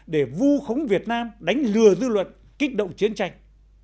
để vu khống việt nam đánh lừa dư luận kích động chiến tranh